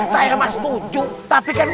saya nggak setuju tapi kan